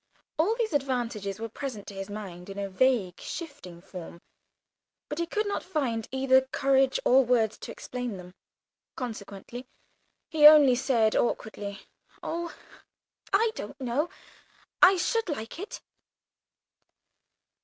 All these advantages were present to his mind in a vague shifting form, but he could not find either courage or words to explain them. Consequently he only said awkwardly, "Oh, I don't know, I should like it."